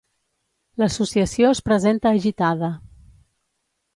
L'associació es presenta agitada.